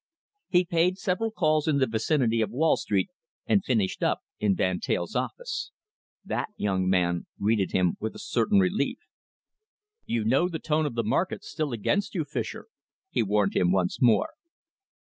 He paid several calls in the vicinity of Wall Street, and finished up in Van Teyl's office. That young man greeted him with a certain relief. "You know the tone of the market's still against you, Fischer," he warned him once more.